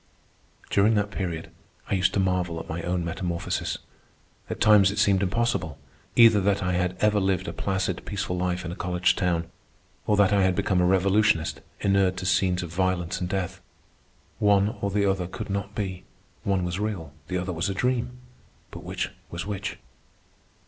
During that period I used to marvel at my own metamorphosis. At times it seemed impossible, either that I had ever lived a placid, peaceful life in a college town, or else that I had become a revolutionist inured to scenes of violence and death. One or the other could not be. One was real, the other was a dream, but which was which?